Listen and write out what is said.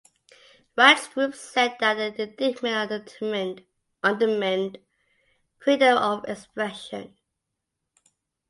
Rights groups said that the indictment undermined freedom of expression.